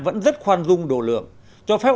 vẫn rất khoan dung độ lượng cho phép